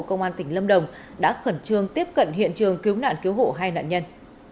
công an tỉnh lâm đồng đã khẩn trương tiếp cận hiện trường cứu nạn cứu hộ hai nạn nhân